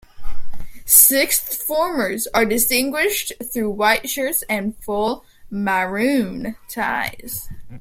Sixth formers are distinguished through white shirts and full, maroon ties.